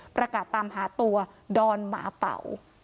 ประกาศตามหาตัวดอนหมาเป่า